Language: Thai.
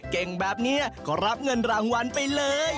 เก่งแบบนี้ก็รับเงินรางวัลไปเลย